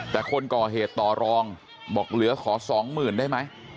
แต่คนก่อเหตุต่อรองบอกเหลือขอสองหมื่นได้ไหม